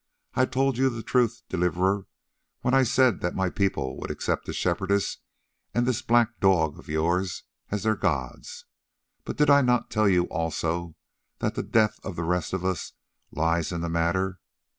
"I told you the truth, Deliverer, when I said that my people would accept the Shepherdess and this black dog of yours as their gods. But did I not tell you also that the death of the rest of us lies in the matter?